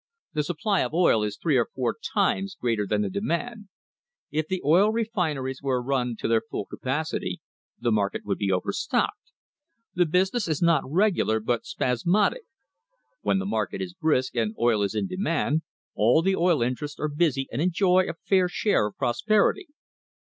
The supply of oil is three or four times greater than the demand.* If the oil refineries were run to their full capacity, ^ the market would be overstocked. The business is not regular, but spasmodic. When the market is brisk and oil is in demand, all the oil interests are busy and enjoy a fair share of prosperity.